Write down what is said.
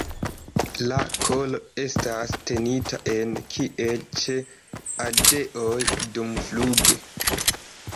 La kolo estas tenita ene kiel ĉe ardeoj dumfluge.